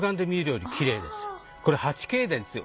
これ８Ｋですよ